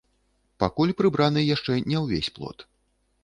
Пакуль прыбраны яшчэ не ўвесь плот.